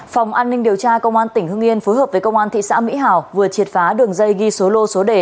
phòng an ninh điều tra công an tỉnh hưng yên phối hợp với công an thị xã mỹ hào vừa triệt phá đường dây ghi số lô số đề